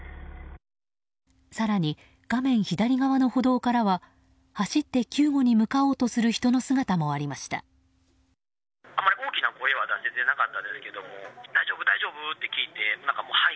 更に画面左側の歩道からは走って救護に向かおうとする人の姿もありました。